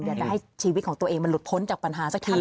อยากจะให้ชีวิตของตัวเองมันหลุดพ้นจากปัญหาสักที